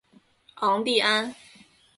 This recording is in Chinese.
昂蒂安。